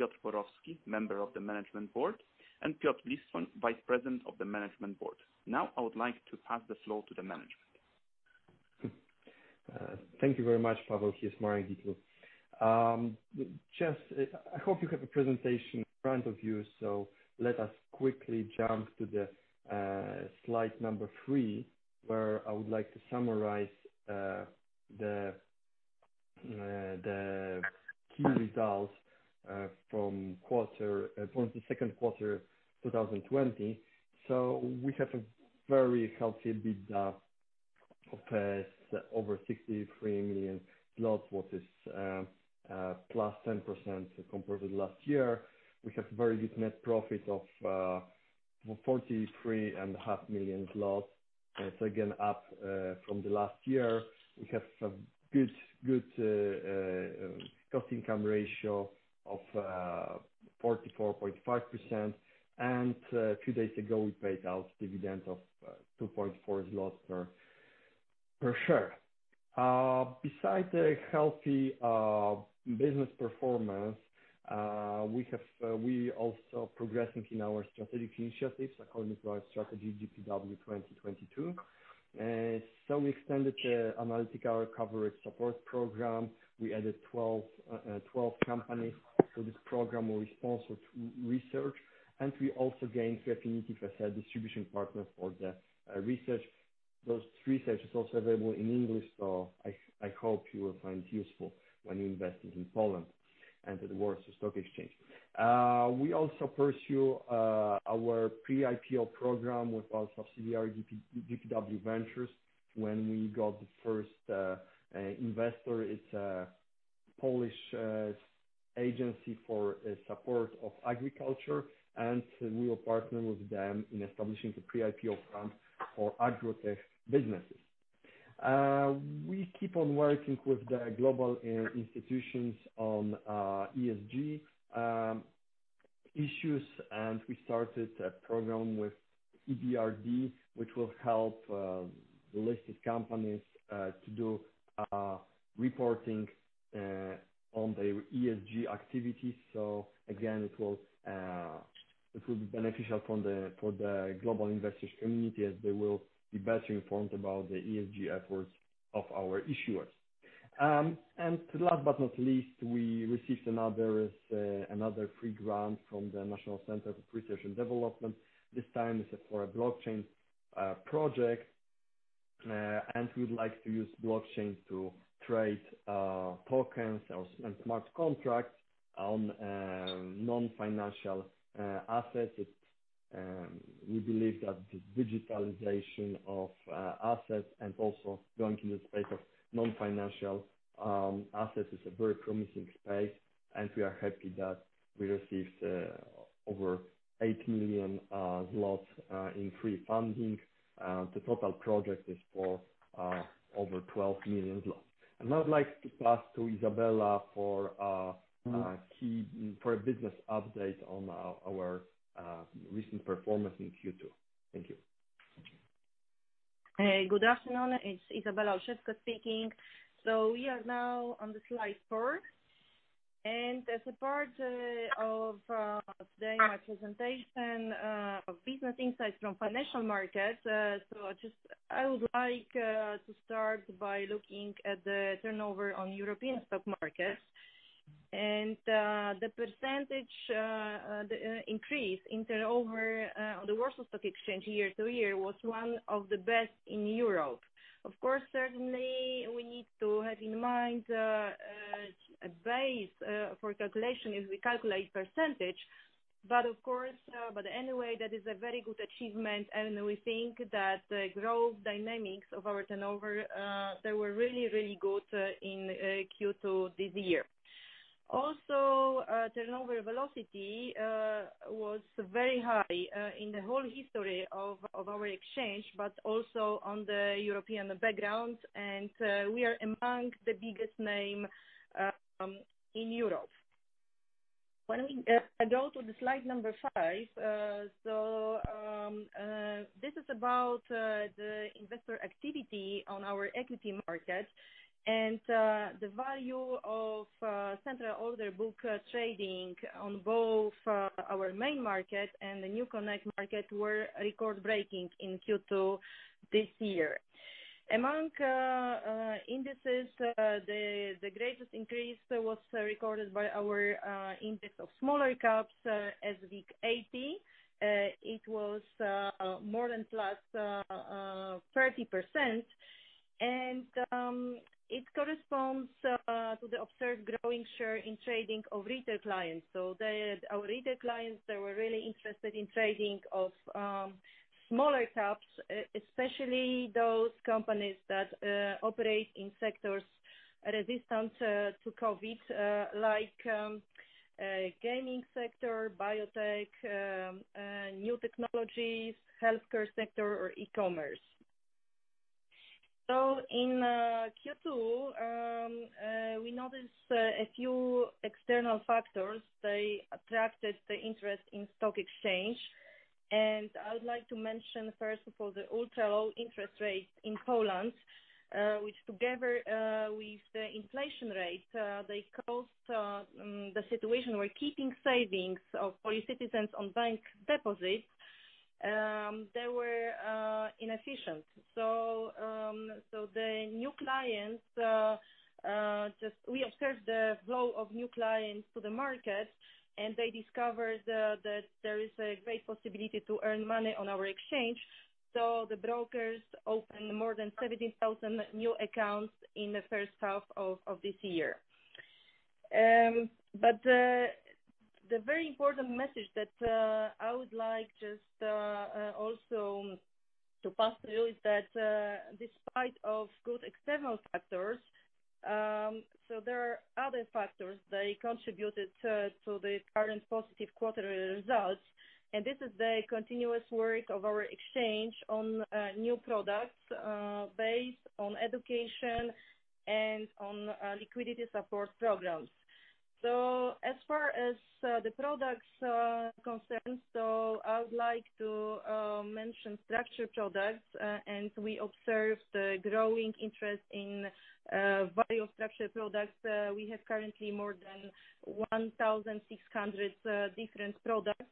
Piotr Borowski, Member of the Management Board, and Piotr Listwoń, Vice President of the Management Board. Now, I would like to pass the floor to the management. Thank you very much, Pavel. Just, I hope you have a presentation in front of you, so let us quickly jump to the slide number three, where I would like to summarize the key results from the second quarter 2020. So we have a very healthy EBITDA of over 63 million zlotys, what is +10% compared with last year. We have very good net profit of 43.5 million zlotys. It's again up from the last year. We have some good cost income ratio of 44.5%. And two days ago, we paid out dividend of 2.4 zloty per share. Beside the healthy business performance, we have we also progressing in our strategic initiatives according to our strategy, GPW 2022. So we extended the Analyst Coverage Support Program. We added 12 companies to this program in response to research, and we also gained a fine sales distribution partner for the research. The research is also available in English, so I hope you will find it useful when you're investing in Poland and to the Warsaw Stock Exchange. We also pursue our pre-IPO program with our subsidiary, GPW Ventures, when we got the first investor. It's a Polish agency for support of agriculture, and we will partner with them in establishing the pre-IPO plan for agritech businesses. We keep on working with the global institutions on ESG issues, and we started a program with EBRD, which will help the listed companies to do reporting on their ESG activities. It will be beneficial for the global investors community, as they will be best informed about the ESG efforts of our issuers. And last but not least, we received another free grant from the National Centre for Research and Development. This time is for a blockchain project, and we would like to use blockchain to trade tokens and smart contracts on non-financial assets. We believe that the digitalization of assets and also going into the space of non-financial assets is a very promising space, and we are happy that we received over 8 million zlotys in free funding. The total project is for over 12 million zlotys, and now I'd like to pass to Izabela for a business update on our recent performance in Q2. Thank you. Good afternoon, it's Izabela Olszewska speaking. We are now on slide four, and as a part of the presentation of business insights from financial markets, just I would like to start by looking at the turnover on European stock markets. The percentage increase in turnover on the Warsaw Stock Exchange year to year was one of the best in Europe. Of course, certainly we need to have in mind a base for calculation as we calculate percentage. But of course, anyway, that is a very good achievement, and we think that the growth dynamics of our turnover they were really, really good in Q2 this year. Also, turnover velocity was very high in the whole history of our exchange, but also on the European background, and we are among the biggest name in Europe. When we go to the slide number five, so this is about the investor activity on our equity market, and the value of central order book trading on both our main market and the NewConnect market were record-breaking in Q2 this year. Among indices, the greatest increase was recorded by our index of smaller caps, sWIG80. It was more than plus 30% and it corresponds to the observed growing share in trading of retail clients. So the, our retail clients, they were really interested in trading of, smaller caps, especially those companies that, operate in sectors resistant, to COVID, like, gaming sector, biotech, new technologies, healthcare sector, or e-commerce. So in, Q2, we noticed, a few external factors. They attracted the interest in stock exchange. And I would like to mention, first of all, the ultra low interest rates in Poland, which together, with the inflation rate, they caused, the situation where keeping savings of Polish citizens on bank deposits, they were, inefficient. So, so the new clients, just we observed the flow of new clients to the market, and they discovered, that there is a great possibility to earn money on our exchange. The brokers opened more than 17,000 new accounts in the first half of this year. But the very important message that I would like just also to pass to you is that despite of good external factors, there are other factors that contributed to the current positive quarterly results, and this is the continuous work of our exchange on new products based on education and on liquidity support programs. As far as the products are concerned, I would like to mention structured products. And we observed a growing interest in structured products. We have currently more than 1,600 different products.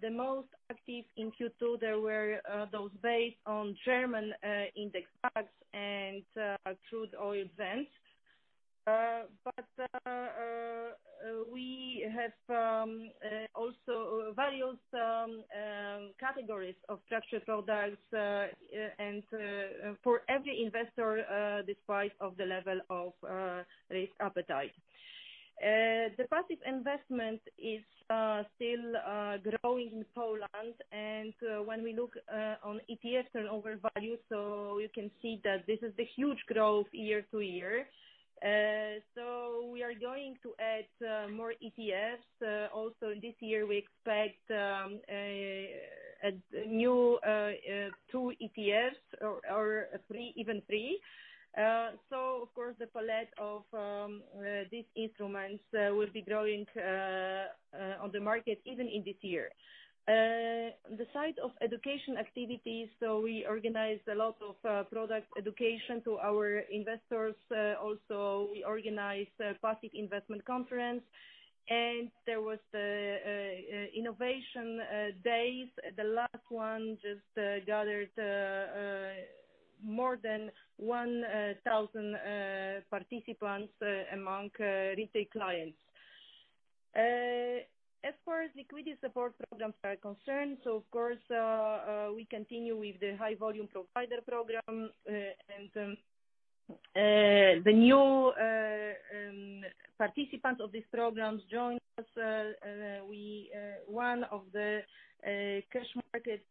The most active in Q2 were those based on German index DAX and crude oil. But we have also various categories of structured products, and for every investor, despite of the level of risk appetite, the passive investment is still growing in Poland. And when we look on ETF turnover value, so you can see that this is the huge growth year to year, so we are going to add more ETFs. Also this year, we expect a new two ETFs or three, even three. So of course, the palette of these instruments will be growing on the market even in this year. The side of education activities, so we organized a lot of product education to our investors. Also, we organized a Passive Investment Conference, and there was Innovation Days. The last one just gathered more than one thousand participants among retail clients. As far as liquidity support programs are concerned, so of course, we continue with the High Volume Provider Program, and the new participants of these programs joined us. One of the cash market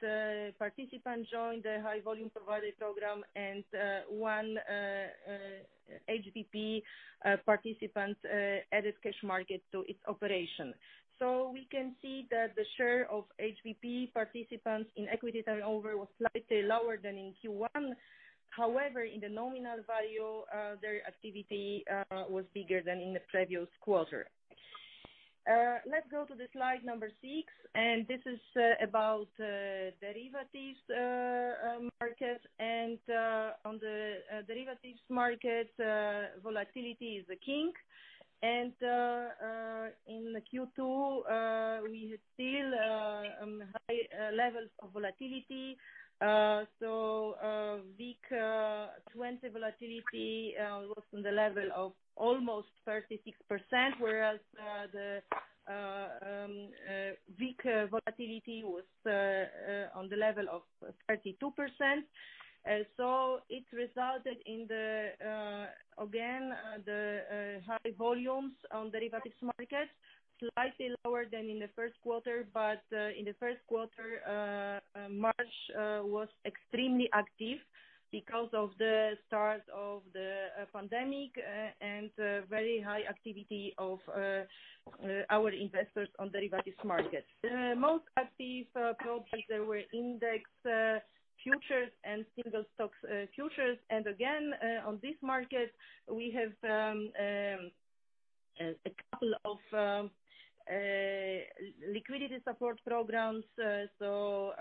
participant joined the High Volume Provider Program and one HVP participant added cash market to its operation. So we can see that the share of HVP participants in equity turnover was slightly lower than in Q1. However, in the nominal value, their activity was bigger than in the previous quarter. Let's go to the slide number six, and this is about derivatives market. On the derivatives market, volatility is the king. In Q2, we had still high levels of volatility, so WIG20 volatility was on the level of almost 36%, whereas the VIX volatility was on the level of 32%, so it resulted in again the high volumes on derivatives market, slightly lower than in the first quarter, but in the first quarter March was extremely active because of the start of the pandemic, and very high activity of our investors on derivatives market. Most active products, they were index futures and single stocks futures. And again, on this market, we have a couple of liquidity support programs. So,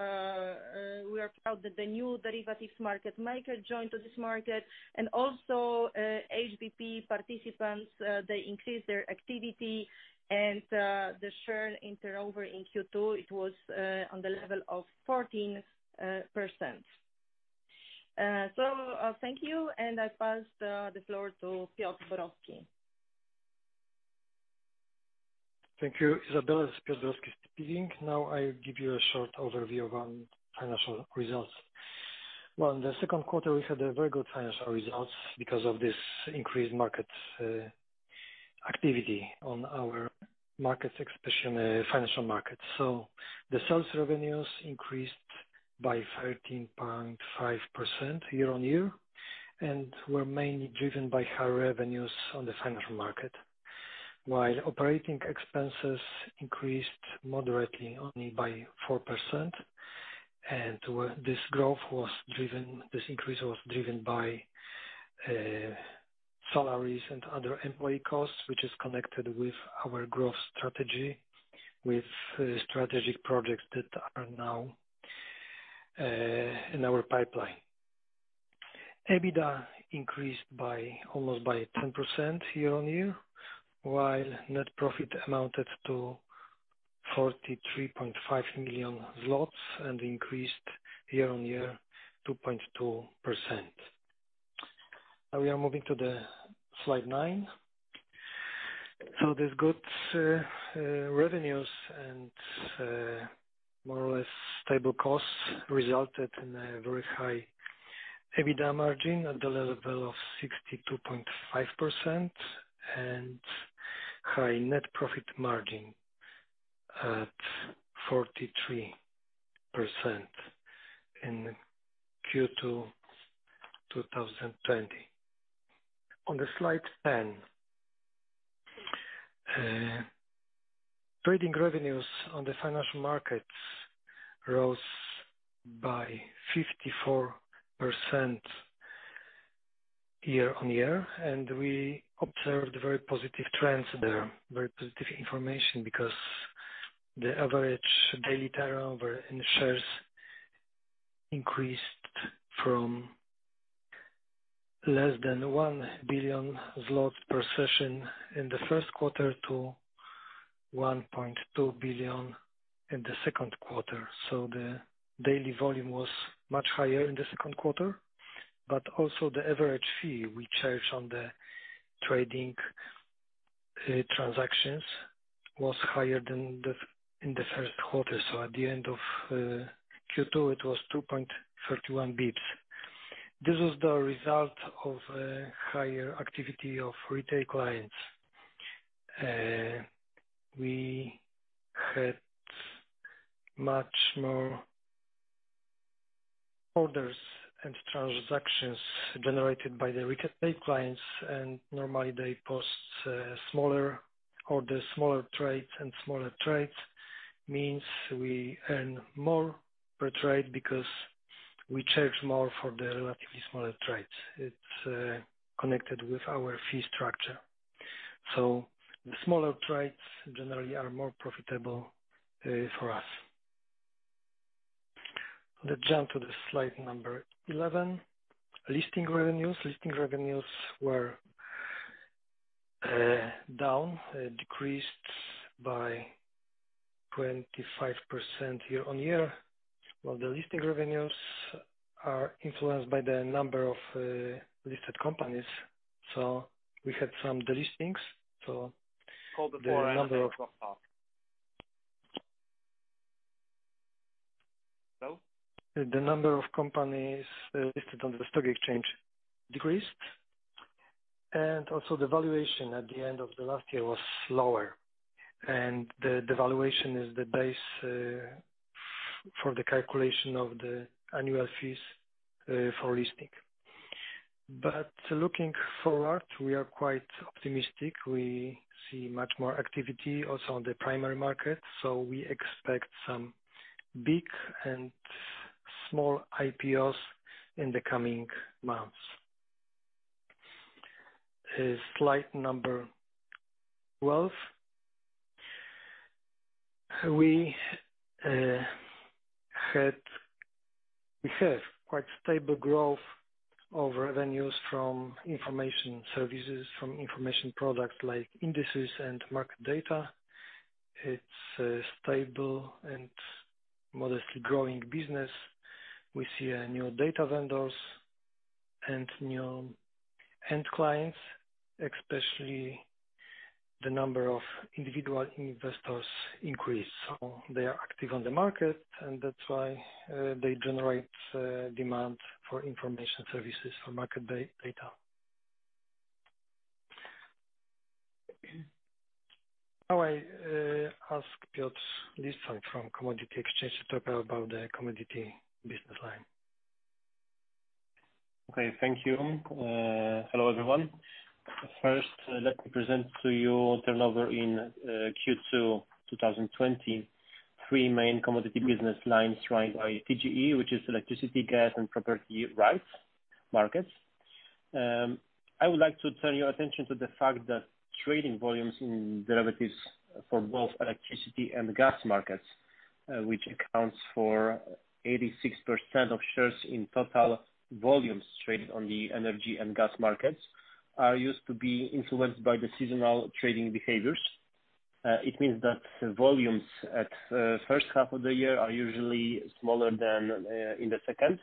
we are proud that the new derivatives market maker joined to this market. And also, HVP participants, they increased their activity and, the share in turnover in Q2, it was on the level of 14%. So, thank you. And I pass the floor to Piotr Borowski. Thank you, Izabela. It's Piotr Borowski speaking. Now, I give you a short overview on financial results. In the second quarter, we had a very good financial results because of this increased market activity on our markets, especially in financial markets, so the sales revenues increased by 13.5% year on year, and were mainly driven by high revenues on the financial market. While operating expenses increased moderately only by 4%, and this increase was driven by salaries and other employee costs, which is connected with our growth strategy, with strategic projects that are now in our pipeline. EBITDA increased by almost 10% year-on-year, while net profit amounted to 43.5 million zlotys and increased year-on-year 2.2%. Now we are moving to the slide 9. These good revenues and more or less stable costs resulted in a very high EBITDA margin at the level of 62.5% and high net profit margin at 43% in Q2, 2020. On the slide 10, trading revenues on the financial markets rose by 54% year-on-year, and we observed very positive trends there. Very positive information because the average daily turnover in shares increased from less than 1 billion zlotys per session in the first quarter to 1.2 billion in the second quarter. The daily volume was much higher in the second quarter, but also the average fee we charge on the trading transactions was higher than in the first quarter. At the end of Q2, it was 2.31 basis points. This was the result of higher activity of retail clients. We had much more orders and transactions generated by the retail clients, and normally they post smaller orders, smaller trades. And smaller trades means we earn more per trade because we charge more for the relatively smaller trades. It's connected with our fee structure. So the smaller trades generally are more profitable for us. Let's jump to the slide number 11. Listing revenues. Listing revenues were down, decreased by 25% year-on-year. Well, the listing revenues are influenced by the number of listed companies. So we had some delistings, so the number of- Hello? The number of companies listed on the stock exchange decreased, and also the valuation at the end of the last year was lower, and the valuation is the base for the calculation of the annual fees for listing, but looking forward, we are quite optimistic. We see much more activity also on the primary market, so we expect some big and small IPOs in the coming months. Slide number 12. We had... we have quite stable growth of revenues from information services, from information products like indices and market data. It's a stable and modestly growing business. We see new data vendors and new end clients, especially the number of individual investors increase. So they are active on the market, and that's why they generate demand for information services, for market data. Now I ask Piotr Listwoń from Commodity Exchange to talk about the commodity business line. Okay. Thank you. Hello, everyone. First, let me present to you turnover in Q2 2020. Three main commodity business lines run by TGE, which is electricity, gas, and property rights markets. I would like to turn your attention to the fact that trading volumes in derivatives for both electricity and gas markets, which accounts for 86% of shares in total volumes traded on the energy and gas markets, are used to be influenced by the seasonal trading behaviors. It means that volumes in the first half of the year are usually smaller than in the second.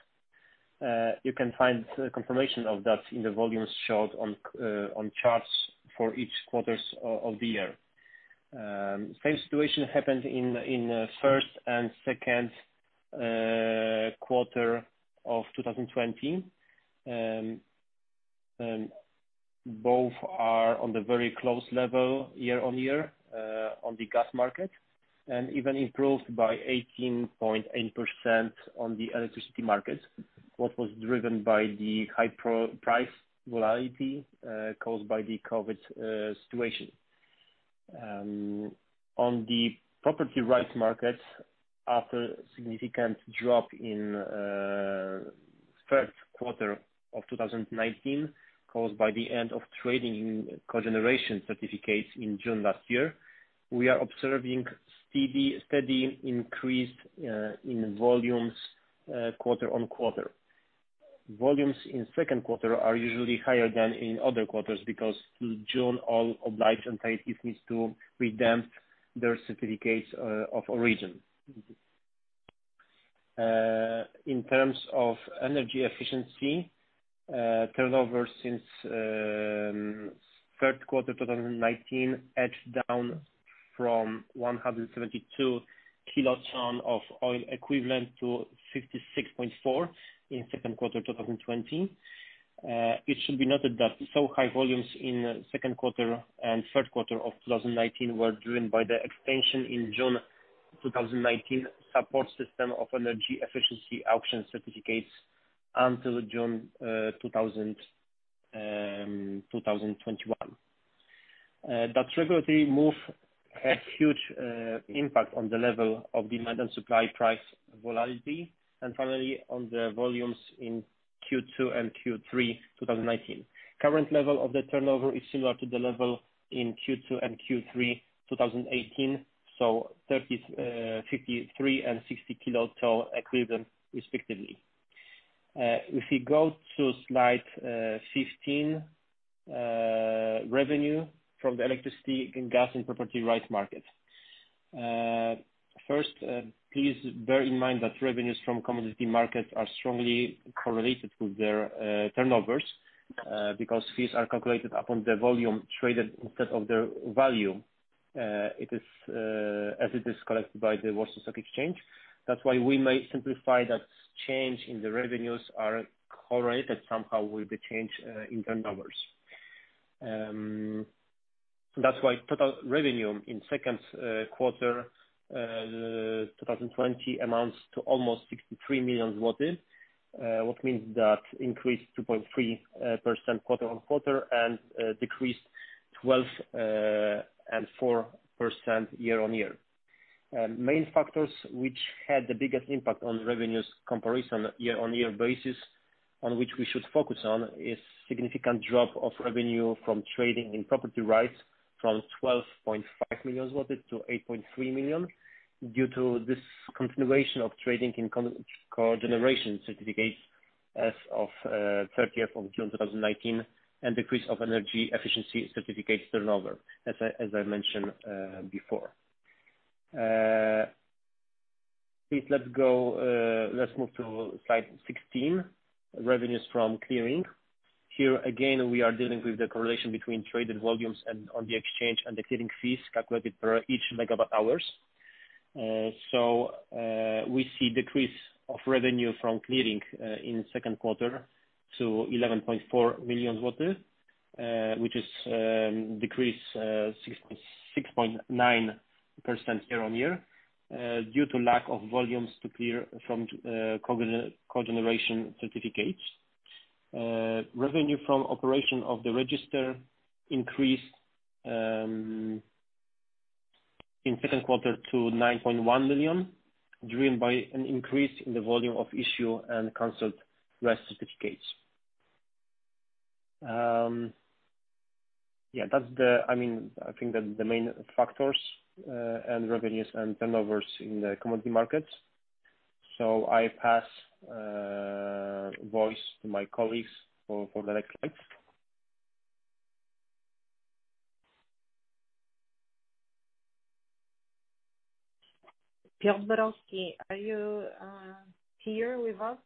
You can find confirmation of that in the volumes shown on charts for each quarters of the year. Same situation happened in the first and second quarter of 2020. Both are on the very close level year-on-year on the gas market, and even improved by 18.8% on the electricity market, what was driven by the high price volatility caused by the COVID situation. On the property rights market, after significant drop in first quarter of 2019, caused by the end of trading in cogeneration certificates in June last year, we are observing steady increase in volumes quarter on quarter. Volumes in second quarter are usually higher than in other quarters, because through June, all obliged entities needs to redeem their certificates of origin. In terms of energy efficiency, turnover since third quarter 2019 edged down from 172 kiloton of oil equivalent to 66.4 in second quarter 2020. It should be noted that so high volumes in second quarter and third quarter of two thousand nineteen were driven by the extension in June two thousand nineteen, support system of energy efficiency auction certificates until June, two thousand twenty-one. That regulatory move had huge impact on the level of demand and supply price volatility, and finally, on the volumes in Q2 and Q3 two thousand nineteen. Current level of the turnover is similar to the level in Q2 and Q3 two thousand eighteen, so 30, 53 and 60 kiloton equivalent respectively. If you go to slide 15, revenue from the electricity and gas and property rights market. First, please bear in mind that revenues from commodity markets are strongly correlated to their turnovers, because fees are calculated upon the volume traded instead of their value. It is, as it is collected by the Warsaw Stock Exchange, that's why we may simplify that change in the revenues are correlated somehow with the change in turnovers. That's why total revenue in second quarter 2020 amounts to almost 63 million zloty. What means that increased 2.3% quarter on quarter and decreased 12% and 4% year on year. Main factors which had the biggest impact on revenues comparison year on year basis, on which we should focus on, is significant drop of revenue from trading in property rights from 12.5 million PLN to 8.3 million PLN, due to this continuation of trading in cogeneration certificates as of thirtieth of June 2019, and decrease of energy efficiency certificates turnover, as I mentioned, before. Please, let's go, let's move to slide 16. Revenues from clearing. Here, again, we are dealing with the correlation between traded volumes and on the exchange and the clearing fees calculated per each megawatt hours. So, we see decrease of revenue from clearing in second quarter to 11.4 million zloty, which is decrease 6.9% year on year, due to lack of volumes to clear from cogeneration certificates. Revenue from operation of the register increased in second quarter to 9.1 million, driven by an increase in the volume of issue and canceled RES certificates. Yeah, that's the. I mean, I think that's the main factors and revenues and turnovers in the commodity markets. So I pass voice to my colleagues for the next slide. Piotr Borowski, are you here with us?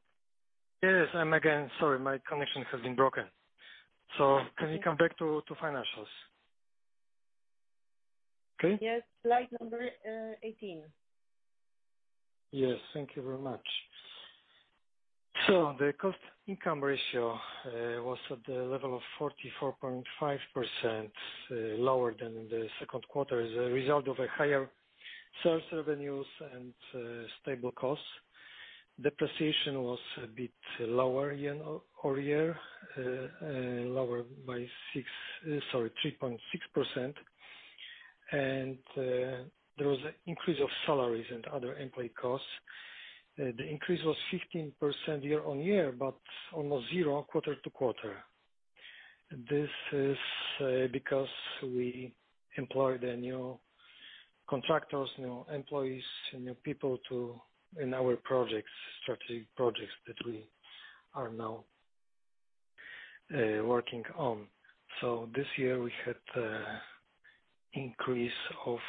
Yes, I'm again sorry, my connection has been broken. So can we come back to financials? Okay. Yes. Slide number 18. Yes, thank you very much. So the cost income ratio was at the level of 44.5%, lower than the second quarter, as a result of a higher sales revenues and stable costs. Depreciation was a bit lower year over year, lower by 3.6%. And there was an increase of salaries and other employee costs. The increase was 15% year on year, but almost zero quarter to quarter. This is because we employed the new contractors, new employees, new people to in our projects, strategic projects that we are now working on. So this year we had increase of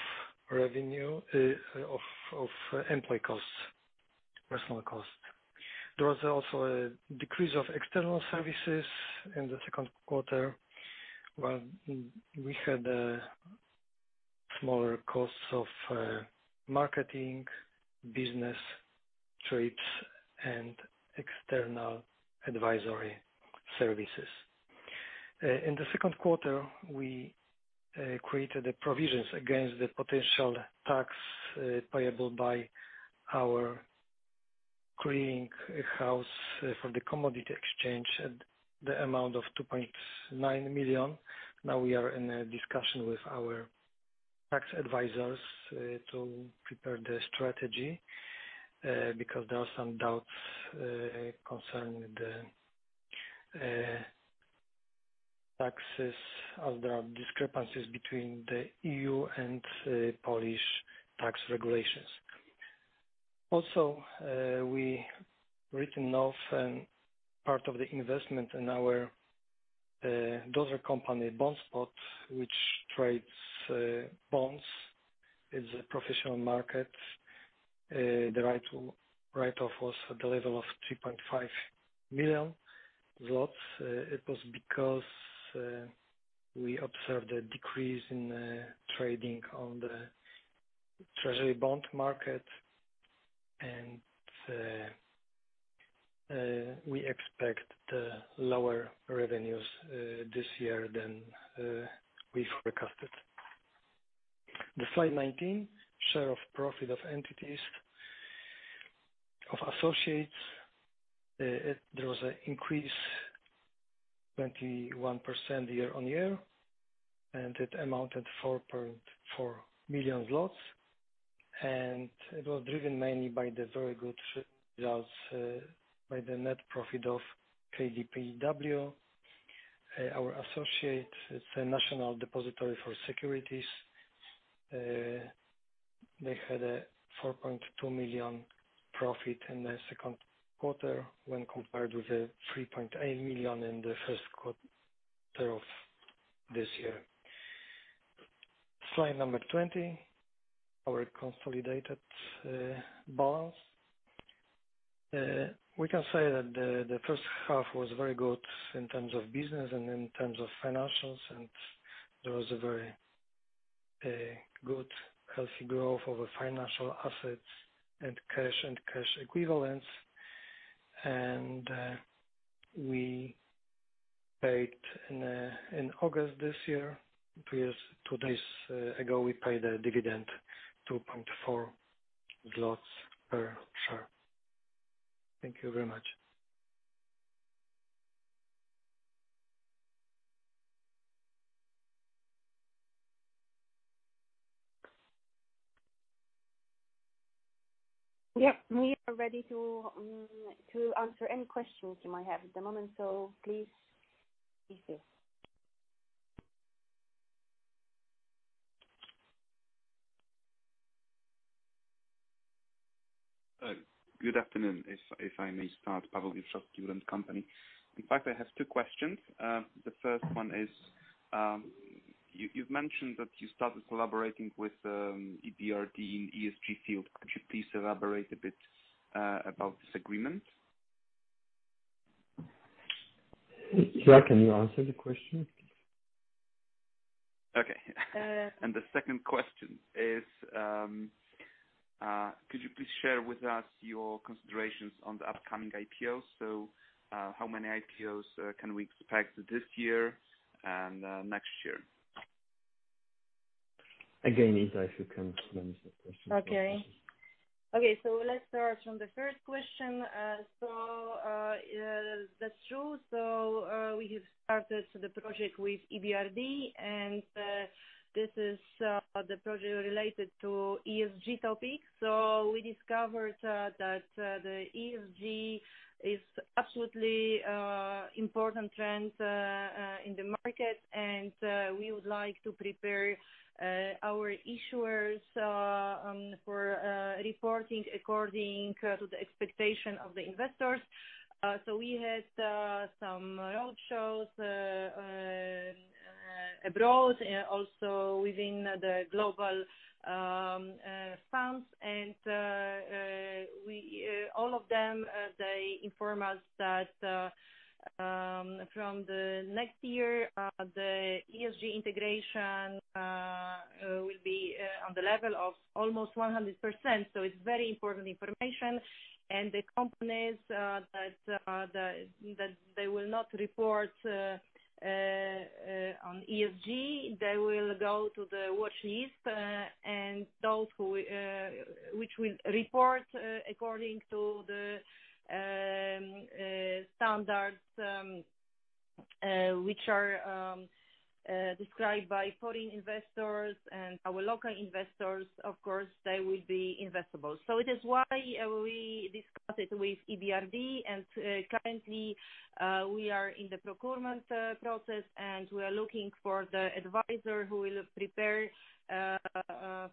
revenue of employee costs, personal costs. There was also a decrease of external services in the second quarter, where we had smaller costs of marketing, business trips, and external advisory services. In the second quarter, we created the provisions against the potential tax payable by our clearing house for the commodity exchange at the amount of 2.9 million. Now we are in a discussion with our tax advisors to prepare the strategy because there are some doubts concerning the taxes, as there are discrepancies between the EU and Polish tax regulations. Also, we written off a part of the investment in our daughter company, Bondspot, which trades bonds, is a professional market. The write-off was at the level of 3.5 million zlotys. It was because we observed a decrease in trading on the treasury bond market, and we expect lower revenues this year than we forecasted. Slide 19, share of profit of entities, of associates. There was an increase, 21% year on year, and it amounted to 4.4 million zlotys. It was driven mainly by the very good results by the net profit of KDPW. Our associate, it is a National Depository for Securities. They had a 4.2 million profit in the second quarter when compared with the 3.8 million in the first quarter of this year. Slide number 20. Our consolidated balance. We can say that the first half was very good in terms of business and in terms of financials, and there was a very good healthy growth over financial assets and cash and cash equivalents. And we paid in August this year, two years, two days ago, we paid a dividend, 2.4 zlotys per share. Thank you very much. Yep, we are ready to answer any questions you might have at the moment, so please proceed. Good afternoon, if I may start, Pavel in company. In fact, I have two questions. The first one is, you've mentioned that you started collaborating with EBRD in ESG field. Could you please elaborate a bit about this agreement? Iza, can you answer the question? Okay. Uh- The second question is, could you please share with us your considerations on the upcoming IPOs? So, how many IPOs can we expect this year and next year? Again, Iza, if you can manage the question. Okay. Okay, so let's start from the first question, so yeah, that's true, so we have started the project with EBRD, and this is the project related to ESG topic, so we discovered that the ESG is absolutely important trend in the market, and we would like to prepare our issuers for reporting according to the expectation of the investors, so we had some roadshows abroad and also within the global funds, and we, all of them, they inform us that from the next year the ESG integration will be on the level of almost 100%, so it's very important information. And the companies that they will not report on ESG, they will go to the watchlist. And those who will report according to the standards which are described by foreign investors and our local investors, of course, they will be investable. So it is why we discussed it with EBRD and currently we are in the procurement process, and we are looking for the advisor who will prepare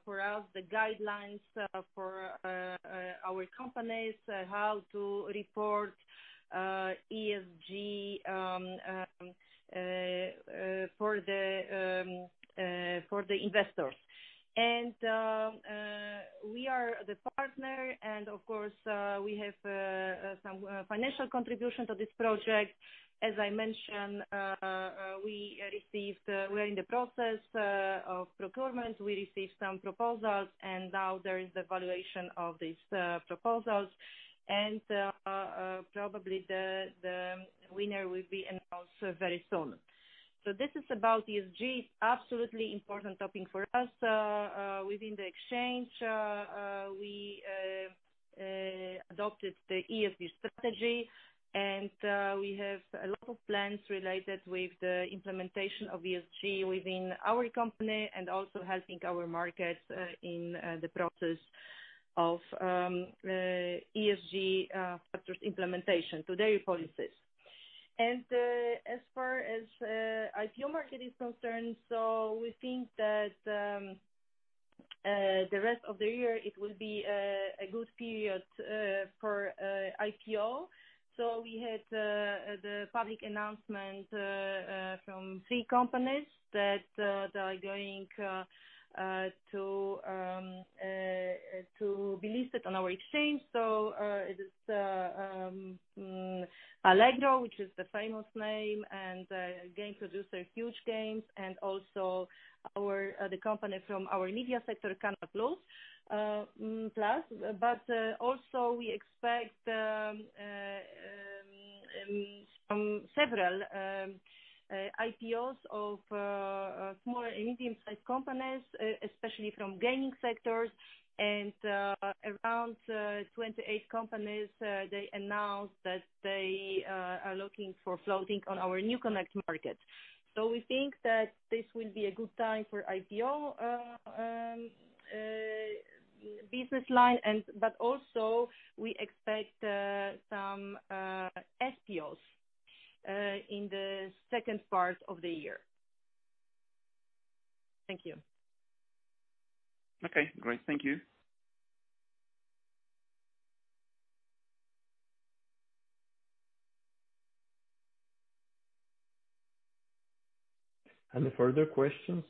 for us the guidelines for our companies how to report ESG for the investors. And we are the partner, and of course we have some financial contribution to this project. As I mentioned, we received, we're in the process of procurement. We received some proposals, and now there is the evaluation of these proposals. And probably the winner will be announced very soon. So this is about ESG, absolutely important topic for us. Within the exchange, we adopted the ESG strategy, and we have a lot of plans related with the implementation of ESG within our company, and also helping our markets in the process of ESG factors implementation to their policies. And as far as IPO market is concerned, so we think that the rest of the year, it will be a good period for IPO. So we had the public announcement from three companies that they are going to be listed on our exchange. So it is Allegro, which is the famous name, and game producer Huuuge Games, and also the company from our media sector, Canal+. But also we expect several IPOs of small and medium-sized companies, especially from gaming sectors. And around 28 companies they announced that they are looking for floating on our NewConnect market. So we think that this will be a good time for IPO business line. And but also we expect some FPOs in the second part of the year. Thank you. Okay, great. Thank you. Any further questions?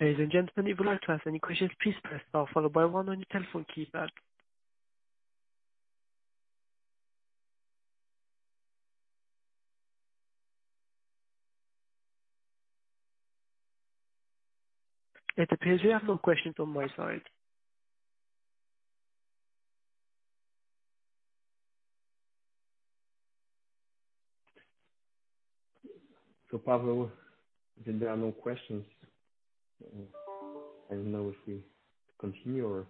Ladies and gentlemen, if you would like to ask any questions, please press star followed by one on your telephone keypad. It appears we have no questions on my side. So Pavel, if there are no questions, I don't know if we continue or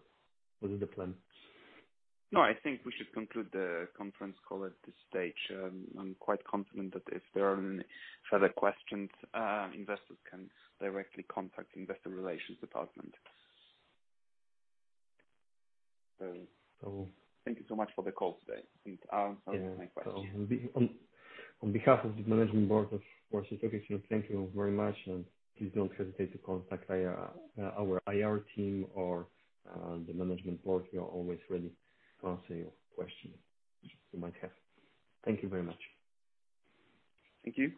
what is the plan? No, I think we should conclude the conference call at this stage. I'm quite confident that if there are any further questions, investors can directly contact investor relations department. So, so- Thank you so much for the call today, and answering my questions. Yeah. So on behalf of the management board of Warsaw Stock Exchange, thank you very much, and please don't hesitate to contact IR, our IR team or the management board. We are always ready to answer your questions you might have. Thank you very much. Thank you.